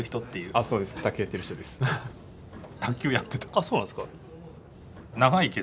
あっそうなんですか？